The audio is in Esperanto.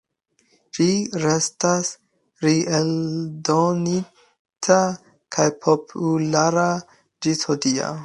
Ĝi restas reeldonita kaj populara ĝis hodiaŭ.